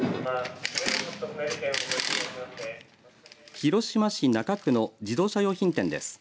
広島市中区の自動車用品店です。